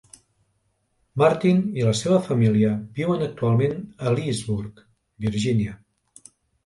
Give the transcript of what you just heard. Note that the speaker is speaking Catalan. Martin i la seva família viuen actualment en Leesburg, Virginia.